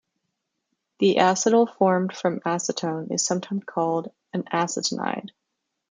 The acetal formed from acetone is sometimes called an acetonide.